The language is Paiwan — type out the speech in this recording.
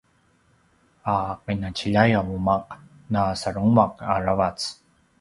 a qinaciljay a umaq na sarenguaq aravac